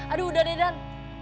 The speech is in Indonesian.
aduh udah deh dan